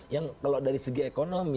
yang kalau dari segi ekonomi